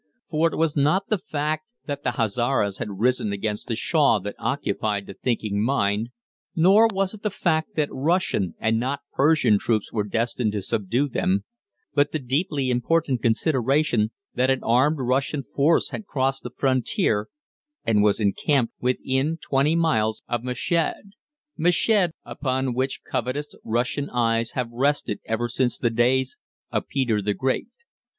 For it was not the fact that the Hazaras had risen against the Shah that occupied the thinking mind, nor was it the fact that Russian and not Persian troops were destined to subdue them, but the deeply important consideration that an armed Russian force had crossed the frontier and was encamped within twenty miles of Meshed Meshed, upon which covetous Russian eyes have rested ever since the days of Peter the Great.